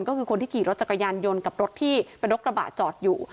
ก็คือคนที่ขี่รถจักรยานยนต์กับรถที่เป็นรถกระบะจอดอยู่